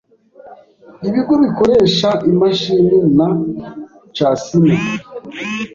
ibigo bikoresha imashini, na Casino.